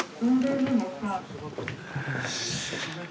よし。